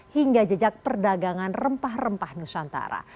hingga jejak perdagangan rempah rempah nusantara